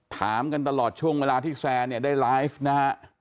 ถามกันตลอดช่วงเวลาที่แซนเนี่ยได้ไลฟ์นะฮะ